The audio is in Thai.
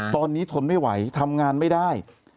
ตอนนี้ทนไม่ไหวทำงานไม่ได้